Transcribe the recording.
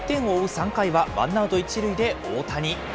３回はワンアウト１塁で大谷。